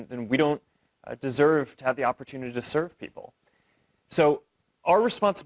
dan jika kita tidak bisa melakukannya kita tidak berhak untuk memiliki kesempatan untuk melayan orang